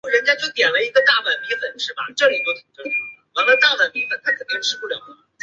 镰仓五山第一位。